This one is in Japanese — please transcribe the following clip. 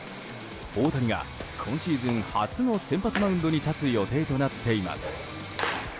大谷が、今シーズン初の先発マウンドに立つ予定となっています。